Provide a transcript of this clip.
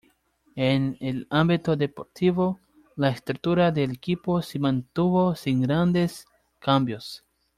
En el ámbito deportivo, la estructura del equipo se mantuvo sin grandes cambios.